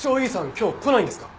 今日来ないんですか？